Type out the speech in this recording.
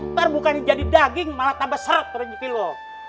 ntar bukannya jadi daging malah tambah seret ke rejeki lo